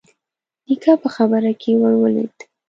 نيکه په خبره کې ور ولوېد: